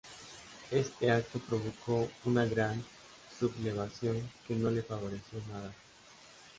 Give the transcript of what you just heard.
Este acto provocó una gran sublevación que no le favoreció nada.